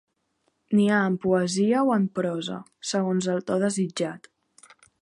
N'hi ha en poesia o en prosa, segons el to desitjat.